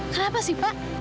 kenapa sih pak